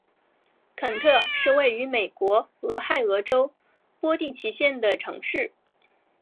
肯特是位于美国俄亥俄州波蒂奇县的城市。